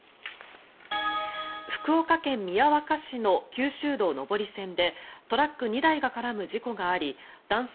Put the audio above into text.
福岡県宮若市の九州道上り線でトラック２台が絡む事故があり男性